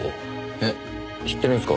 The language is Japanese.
えっ知ってるんすか？